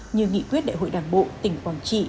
như nghị quyết đại hội đảng bộ tỉnh quảng trị